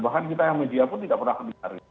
bahkan kita yang media pun tidak pernah mendengar